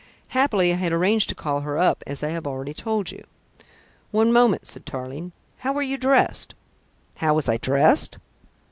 Happily I had arranged to call her up, as I have already told you." "One moment," said Tarling. "How were you dressed?" "How was I dressed?